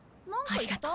ありがとう。